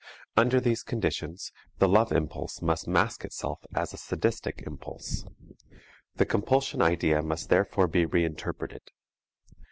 Under these conditions the love impulse must mask itself as a sadistic impulse. The compulsion idea must therefore be reinterpreted.